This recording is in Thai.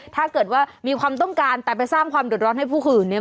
ถ้าเกิดว่ามีความต้องการแต่ไปสร้างความเดือดร้อนให้ผู้อื่นเนี่ย